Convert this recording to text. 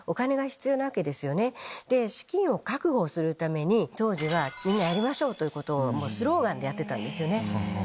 資金を確保するために当時はみんなやりましょう！とスローガンでやってたんです。